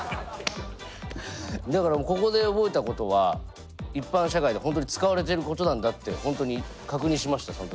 だからここで覚えたことは一般社会で本当に使われていることなんだって本当に確認しましたその時。